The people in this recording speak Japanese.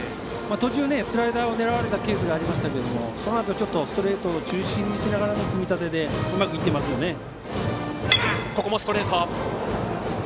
途中スライダーを狙われたケースありましたけどそのあとちょっとストレートを中心にしながらの組み立てでうまくいっていますよね。